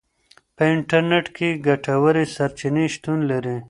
په انټرنیټ کې ګټورې سرچینې شتون لري.